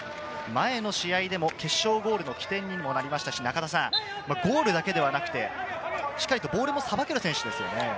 前の試合でも決勝ゴールの起点にもなりましたし、ゴールだけではなくて、しっかりとボールもさばける選手ですよね。